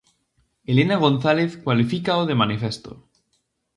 Helena González cualifícao de manifesto.